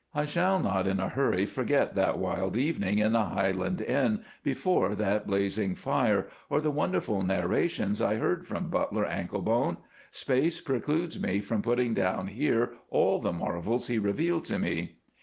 I shall not in a hurry forget that wild evening in the Highland inn before that blazing fire, or the wonderful narrations I heard from Butler Anklebone. Space precludes me from putting down here all the marvels he revealed to me.